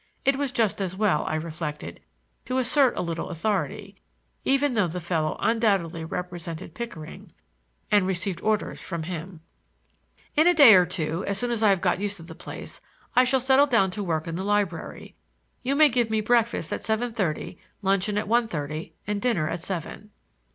It was just as well, I reflected, to assert a little authority, even though the fellow undoubtedly represented Pickering and received orders from him. "In a day or two, or as soon as I have got used to the place, I shall settle down to work in the library. You may give me breakfast at seven thirty; luncheon at one thirty and dinner at seven."